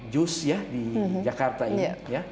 jus ya di jakarta ini